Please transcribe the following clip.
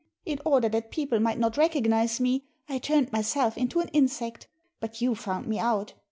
In order that people might not recognise me, I turned myself into an insect. But you found me out.